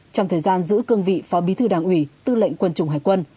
trong thời gian giữ cương vị phó bí thư đảng ủy tư lệnh quân chủng hải quân